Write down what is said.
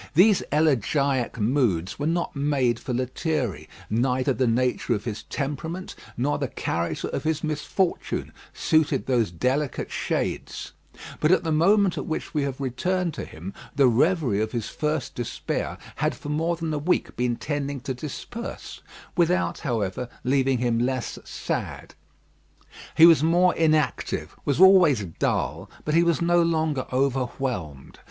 These elegiac moods were not made for Lethierry. Neither the nature of his temperament nor the character of his misfortune suited those delicate shades. But at the moment at which we have returned to him, the reverie of his first despair had for more than a week been tending to disperse; without, however, leaving him less sad. He was more inactive, was always dull; but he was no longer overwhelmed.